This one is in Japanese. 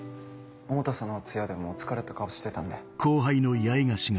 百田さんのお通夜でも疲れた顔してたんで。